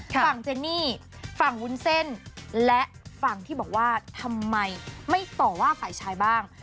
ฝั่งเจนี่ฝั่งวุ้นเส้นและฝั่งที่บอกว่าทำไมไม่ต่อว่าฝ่ายชายบ้าง